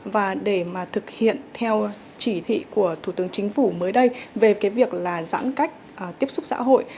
và để thực hiện theo chỉ thị của thủ tướng chính phủ mới đây về việc giãn cách tiếp xúc xã hội